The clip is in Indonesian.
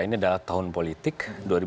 ini adalah tahun politik dua ribu delapan belas